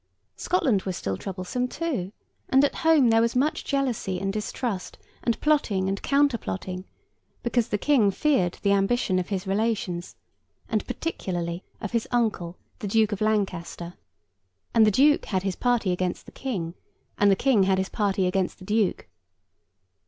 Scotland was still troublesome too; and at home there was much jealousy and distrust, and plotting and counter plotting, because the King feared the ambition of his relations, and particularly of his uncle, the Duke of Lancaster, and the duke had his party against the King, and the King had his party against the duke.